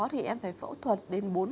thì em phải phẫu thuật đến bốn